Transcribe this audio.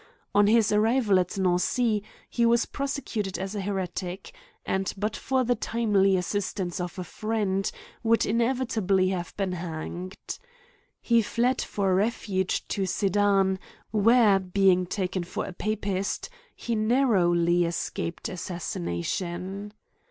On his arrival at Nancy, he was prosecuted as a heretic ; and, but for the timely assistance of a friend, would inevitably have been hanged. He fled for refuge to Sedan, where, being taken for a papist, he narrowly escaped assassination.